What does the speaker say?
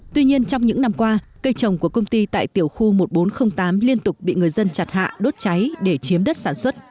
tuy nhiên trong những năm qua cây trồng của công ty tại tiểu khu một nghìn bốn trăm linh tám liên tục bị người dân chặt hạ đốt cháy để chiếm đất sản xuất